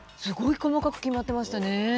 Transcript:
すごい細かく決まってましたね。